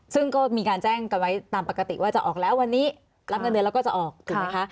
ซึ่งก็มีการแจ้งกันไว้ตามปกติว่าจะออกแล้ววันนี้รับเงินเดือนแล้วก็จะออกถูกไหมคะ